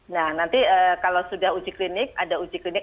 nah nanti kalau sudah uji klinik ada uji klinik